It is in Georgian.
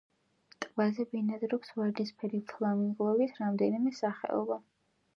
ტბაზე ბინადრობს ვარდისფერი ფლამინგოების რამდენიმე სახეობა.